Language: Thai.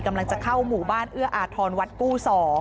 กำลังจะเข้าหมู่บ้านเอื้ออาทรวัดกู้๒